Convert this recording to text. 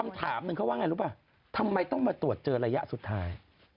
คำถามหนึ่งเขาว่าไงรู้ป่ะทำไมต้องมาตรวจเจอระยะสุดท้าย